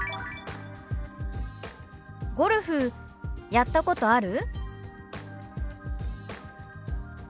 「ゴルフやったことある？」。